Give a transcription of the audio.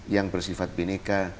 yang bersifat bineka